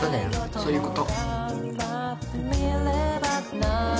そういうこと。